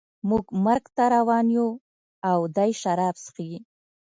موږ مرګ ته روان یو او دی شراب څښي